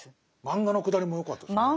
漫画のくだりもよかったですね。